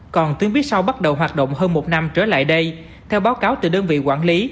còn tuyến buýt sau bắt đầu hoạt động hơn một năm trở lại đây theo báo cáo từ đơn vị quản lý